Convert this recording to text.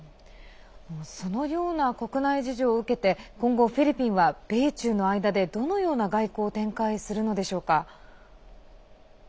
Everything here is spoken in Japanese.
そのような国内事情を受けて今後、フィリピンは米中の間でどのような外交を展開するのでしょうか？